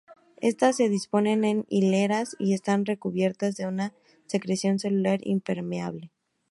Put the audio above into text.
Estas se disponen en hileras y están recubiertas de una secreción celular impermeable.